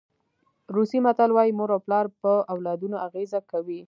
روسي متل وایي مور او پلار په اولادونو اغېزه کوي.